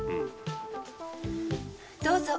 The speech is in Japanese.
どうぞ。